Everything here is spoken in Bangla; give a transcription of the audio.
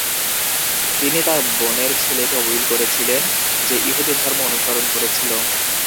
তিনি তার বোনের ছেলেকে উইল করেছিলেন, যে ইহুদি ধর্ম অনুসরণ করেছিল।